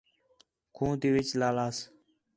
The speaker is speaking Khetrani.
کھوں تی وِچ لالاس